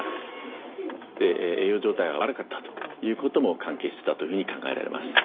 で栄養状態が悪かったということも関係してたというふうに考えられます。